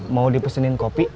mau dipesenin kopi